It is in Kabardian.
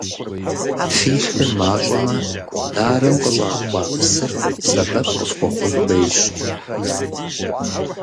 Фи лъыр мащӀэмэ, нарым къыщӏахуа псыр сэбэп къыфхуэхъун хуейщ.